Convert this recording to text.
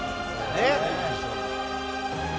ねっ！